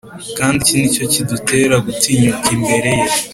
Kandi iki ni cyo kidutera gutinyuka imbere ye: